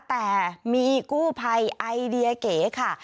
แต่มีกู้ภัยไอเดียเก๋ค่ะ